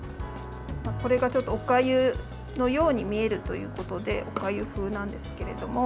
これがちょっと、おかゆのように見えるということでおかゆ風なんですけれども。